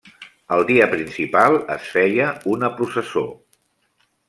El dia principal es feia una processó.